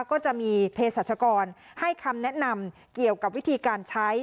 ก็จะมีเพศรัชกรให้คำแนะนำเกี่ยวกับวิธีการใช้